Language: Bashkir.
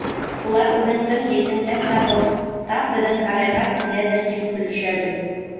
Улар үҙеңдең еҫеңдән табып, тап беҙҙең һарайға киләлер, тип көлөшәбеҙ.